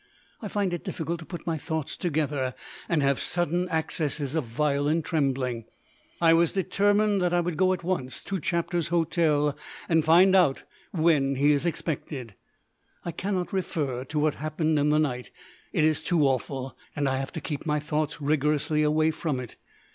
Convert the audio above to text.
I find it difficult to put my thoughts together, and have sudden accesses of violent trembling. I determined that I would go at once to Chapter's hotel and find out when he is expected. I cannot refer to what happened in the night; it is too awful, and I have to keep my thoughts rigorously away from it.